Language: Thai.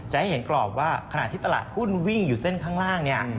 แต่ให้เห็นกรอบว่าขณะตลาดหุ้นวิ่งอยู่เส้นข้างล่าง